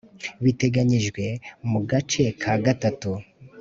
biteganyijwe mu gace ka gatatu